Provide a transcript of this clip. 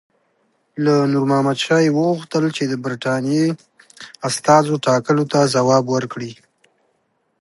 له نور محمد شاه یې وغوښتل چې د برټانیې استازو ټاکلو ته ځواب ورکړي.